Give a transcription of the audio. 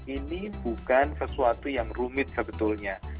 ini bukan sesuatu yang rumit sebetulnya